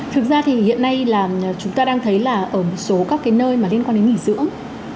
thực ra thì hiện nay là chúng ta đang thấy là ở một số các cái nơi mà liên quan đến nghỉ dưỡng